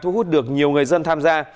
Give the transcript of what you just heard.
hụt được nhiều người dân tham gia